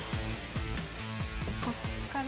ここから。